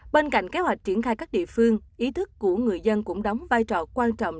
bên cạnh kế hoạch triển khai các địa phương ý thức của người dân cũng đóng vai trò quan trọng